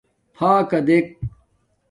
فݳکݳ دݵک.